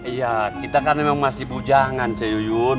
iya kita kan emang masih bujangan ceyuyun